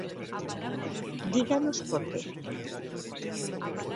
Díganos por que.